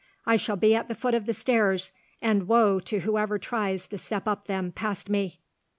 I shall be at the foot of the stairs, and woe to whoever tries to step up them past me."